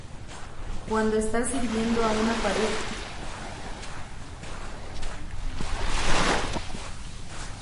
Cuando está sirviendo a una pareja, Rickie y Lily, la chica le reconoce.